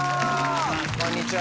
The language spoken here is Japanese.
こんにちは